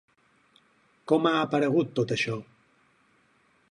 Com ha aparegut tot això?